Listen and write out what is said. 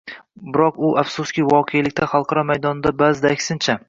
biroq u, afsuski, voqelikda, xalqaro maydonda ba’zida aksincha